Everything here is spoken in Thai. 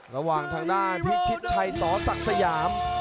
ระหว่างทางด้านพิษชัยสสสรซยหยาม